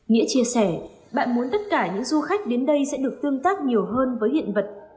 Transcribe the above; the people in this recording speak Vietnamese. nghĩa chia sẻ bạn muốn tất cả những du khách đến đây sẽ được tương tác nhiều hơn với hiện vật